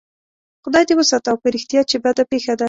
خدای دې وساته او په رښتیا چې بده پېښه ده.